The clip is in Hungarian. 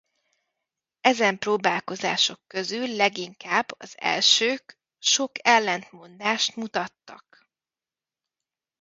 Ezen próbálkozások közül leginkább az elsők sok ellentmondást mutattak.